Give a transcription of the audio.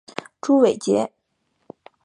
朱伟捷。